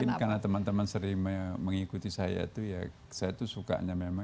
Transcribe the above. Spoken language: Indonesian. mungkin karena teman teman sering mengikuti saya itu ya saya tuh sukanya memang